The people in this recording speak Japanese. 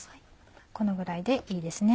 このぐらいでいいです。